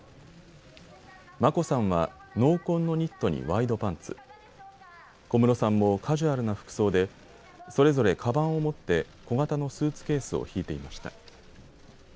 眞子さんは濃紺のニットにワイドパンツ、小室さんもカジュアルな服装でそれぞれかばんを持って小型のスーツケースを引いていました。